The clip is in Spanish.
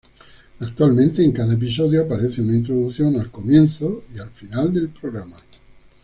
Actualmente en cada episodio aparece una introducción al comienzo y al final del programa.